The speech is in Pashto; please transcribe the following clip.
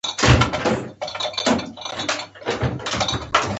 هغه وویل: څو ډوله ښکلي ماهیان مي نیولي.